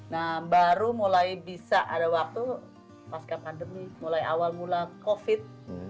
nah baru mulai bisa ada waktu pasca pandemi mulai awal mula covid